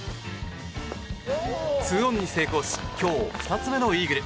２オンに成功し今日２つ目のイーグル。